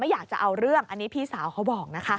อยากจะเอาเรื่องอันนี้พี่สาวเขาบอกนะคะ